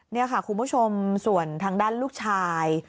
นี่ค่ะคุณผู้ชมส่วนทางด้านลูกชาย